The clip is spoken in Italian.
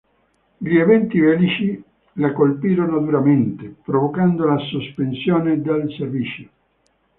Gli eventi bellici la colpirono duramente, provocando la sospensione del servizio.